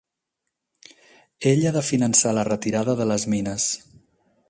Ell ha de finançar la retirada de les mines.